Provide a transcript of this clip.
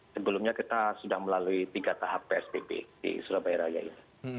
sebelumnya kita sudah melalui tiga tahap psbb di surabaya raya ini